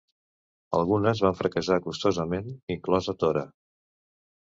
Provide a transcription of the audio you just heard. Algunes van fracassar costosament, inclosa Tora!